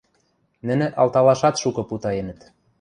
Нӹнӹ алталашат шукы путаенӹт.